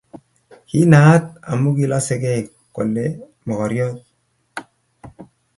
Kiinaat amu kilosekei kole mokoriot